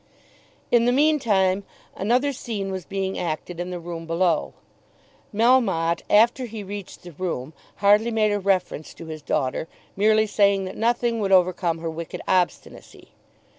In the meantime another scene was being acted in the room below. Melmotte after he reached the room hardly made a reference to his daughter, merely saying that nothing would overcome her wicked obstinacy.